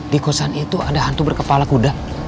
di kosan itu ada hantu berkepala kuda